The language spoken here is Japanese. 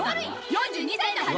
４２歳の春」